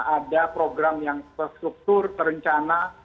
ada program yang terstruktur terencana